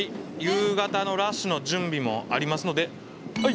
夕方のラッシュの準備もありますのでは